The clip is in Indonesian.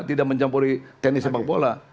tidak mencampuri tenis sepak bola